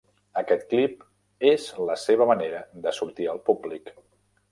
Aquest clip és la seva manera de sortir al públic.